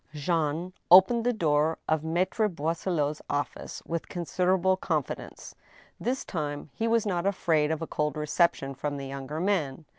... Jean opened the door of Maitre Boisselot's office with consider able confidence. This time he was not afraid of a cold reception" from the young men.